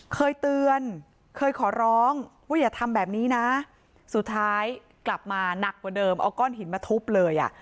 เคยเตือนเคยขอร้องว่าอย่าทำแบบนี้นะสุดท้ายกลับมาหนักกว่าเดิมเอาก้อนหินมาทุบเลยอ่ะ